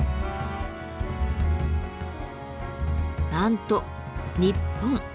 なんと日本。